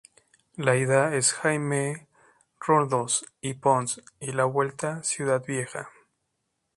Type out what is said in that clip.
La ida es Jaime Roldós y Pons y la vuelta Ciudad Vieja.